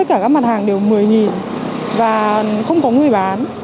rau củ một mươi và không có người bán